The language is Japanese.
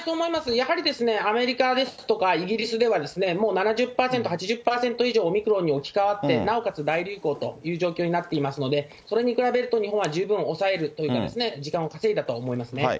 やはりアメリカですとか、イギリスでは、もう７０％、８０％以上、オミクロンに置き換わって、なおかつ大流行という状況になっていますので、それに比べると、もう十分抑えるというか、時間を稼いだと思いますね。